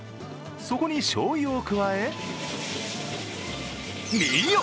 そこにしょうゆを加え見よ！